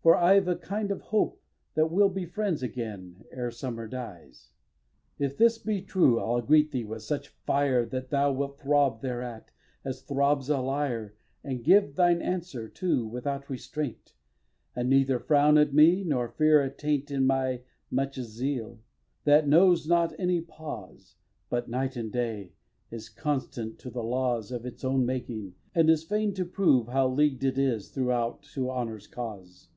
For I've a kind of hope That we'll be friends again ere summer dies. xviii. If this be true I'll greet thee with such fire That thou wilt throb thereat, as throbs a lyre, And give thine answer, too, without restraint, And neither frown at me nor fear a taint In my much zeal, that knows not any pause But, night and day, is constant to the laws Of its own making, and is fain to prove How leagued it is throughout to Honor's cause.